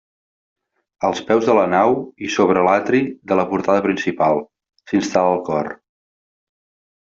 Als peus de la nau i sobre l'atri de la portada principal, s'instal·la el cor.